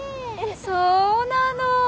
そうなの。